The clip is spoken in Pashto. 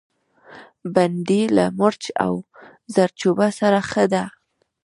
بېنډۍ له مرچ او زردچوبه سره ښه ده